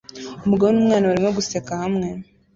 Umugabo n'umwana barimo guseka hamwe